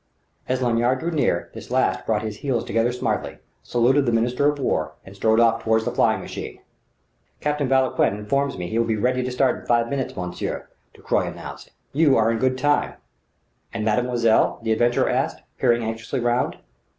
As Lanyard drew near, this last brought his heels together smartly, saluted the Minister of War, and strode off toward the flying machine. "Captain Vauquelin informs me he will be ready to start in five minutes, monsieur," Ducroy announced. "You are in good time." "And mademoiselle?" the adventurer asked, peering anxiously round.